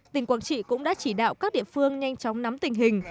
tỉnh quảng trị cũng đã chỉ đạo các địa phương nhanh chóng nắm tình hình